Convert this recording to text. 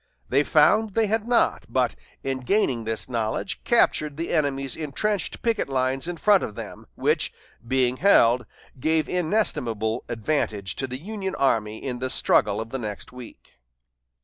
They found they had not, but in gaining this knowledge captured the enemy's intrenched picket lines in front of them, which, being held, gave inestimable advantage to the Union army in the struggle of the next week.